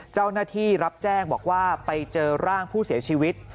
เจ้าหน้าที่รับแจ้งบอกว่าไปเจอร่างผู้เสียชีวิต